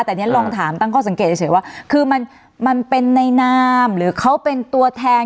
แต่เนี่ยลองถามตั้งข้อสังเกตเฉยว่าคือมันเป็นในนามหรือเขาเป็นตัวแทน